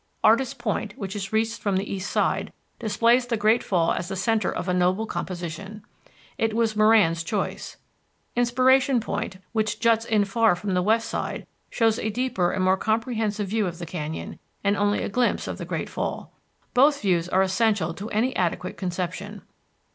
Artists' Point, which is reached from the east side, displays the Great Fall as the centre of a noble composition. It was Moran's choice. Inspiration Point, which juts far in from the west side, shows a deeper and more comprehensive view of the canyon and only a glimpse of the Great Fall. Both views are essential to any adequate conception.